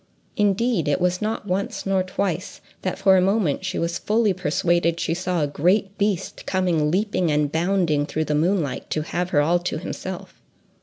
Indeed, it was not once nor twice that for a moment she was fully persuaded she saw a great beast coming leaping and bounding through the moonlight to have her all to himself.